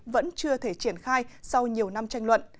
vẫn chưa thể triển khai sau nhiều năm tranh luận